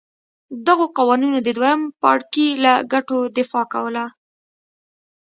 دغو قوانینو د دویم پاړکي له ګټو دفاع کوله.